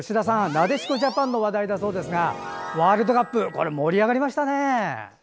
なでしこジャパンの話題だそうですがワールドカップ盛り上がりましたね。